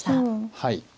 はい。